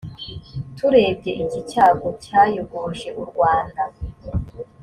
turebye iki cyago cyayogoje u rwanda